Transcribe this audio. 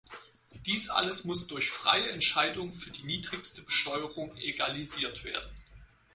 Dies alles muss durch die freie Entscheidung für die niedrigste Besteuerung egalisiert werden.